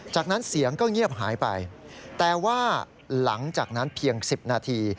จากนั้นเสียงก็เงียบหายไปแต่ว่าหลังจากนั้นเพียง๑๐นาที